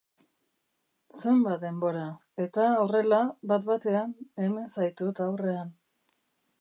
Zenbat denbora... eta, horrela, bat-batean hemen zaitut aurrean.